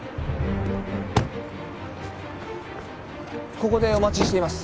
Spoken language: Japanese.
ここでお待ちしています。